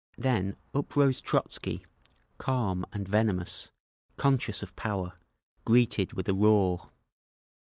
Then up rose Trotzky, calm and venomous, conscious of power, greeted with a roar.